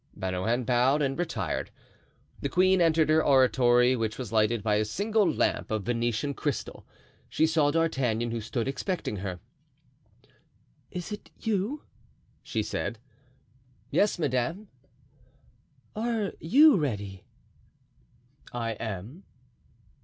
Bernouin bowed and retired. The queen entered her oratory, which was lighted by a single lamp of Venetian crystal, She saw D'Artagnan, who stood expecting her. "Is it you?" she said. "Yes, madame." "Are you ready?" "I am."